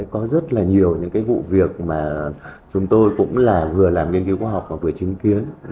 có rất là nhiều những cái vụ việc mà chúng tôi cũng là vừa làm nghiên cứu khoa học vừa chứng kiến